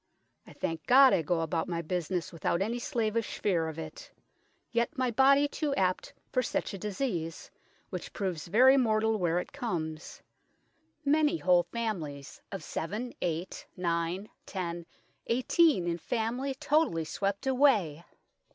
I thank God I goe about my buisnes without any slavish feare of it ; yet my body too apt for such a disease, which proves very mortal where it comes ; many whole familyes of 7, 8, 9, 10, 18 in family totally swept away.